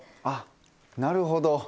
あっなるほど。